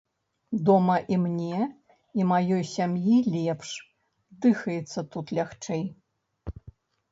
Дома і мне, і маёй сям'і лепш, дыхаецца тут лягчэй.